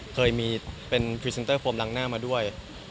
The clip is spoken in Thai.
เคยมีเป็นพรีเซนเตอร์โฟมล้างหน้ามาด้วย